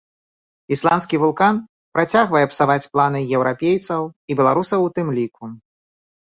Ісландскі вулкан працягвае псаваць планы еўрапейцаў, і беларусаў у тым ліку.